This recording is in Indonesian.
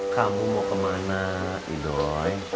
kamu mau kemana i doi